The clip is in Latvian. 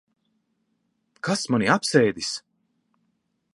Kas mani apsēdis?